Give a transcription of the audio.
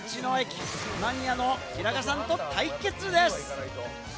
道の駅マニア・平賀さんと対決です。